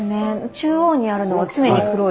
中央にあるのは常に黒い。